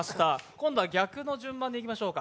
今度は逆の順番でいきましょうか。